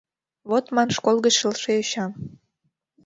Вот ман, школ гыч шылше йоча!